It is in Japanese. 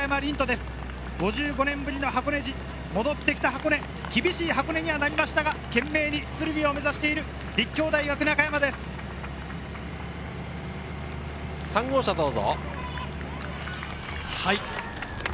５５年ぶりの箱根路、戻ってきた箱根、厳しい箱根になりましたが懸命に鶴見を目指している立教大学・中３号車どうぞ。